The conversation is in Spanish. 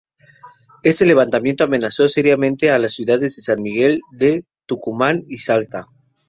Este levantamiento amenazó seriamente a las ciudades de San Miguel de Tucumán y Salta.